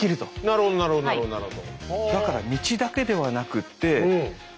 なるほどなるほどなるほどなるほど。